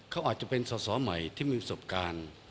เขาอาจจะเป็นสอสอใหม่ที่มีประสบการณ์